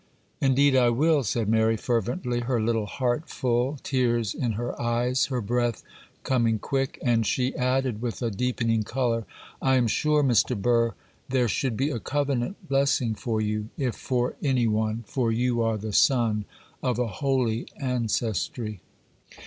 'Indeed I will,' said Mary, fervently, her little heart full, tears in her eyes, her breath coming quick; and she added, with a deepening colour, 'I am sure, Mr. Burr, there should be a covenant blessing for you, if for any one, for you are the son of a holy ancestry.